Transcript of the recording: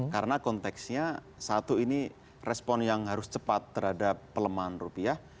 karena konteksnya satu ini respon yang harus cepat terhadap pelemahan rupiah